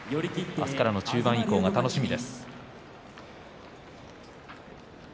明日からの中盤以降が楽しみです。